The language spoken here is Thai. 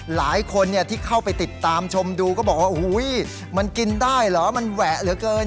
หลายคนที่เข้าไปติดตามชมดูก็บอกว่าโอ้โหมันกินได้เหรอมันแหวะเหลือเกิน